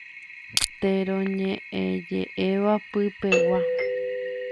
Teroñe'ẽje'éva pypegua.